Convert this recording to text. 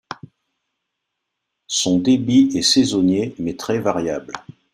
Son débit est saisonnier, mais très variable.